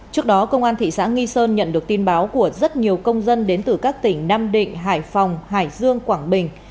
trước đó công an thị xã nghi sơn nhận được tin báo của rất nhiều công dân đến từ các tỉnh nam định hải phòng hải dương quảng bình